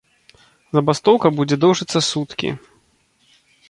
Забастоўка будзе доўжыцца суткі.